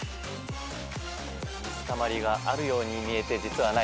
水たまりがあるように見えて実はない。